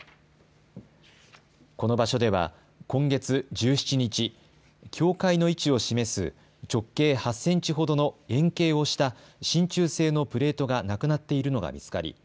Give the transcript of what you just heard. この場所では今月１７日、境界の位置を示す直径８センチほどの円形をした、しんちゅう製のプレートがなくなっているのが見つかり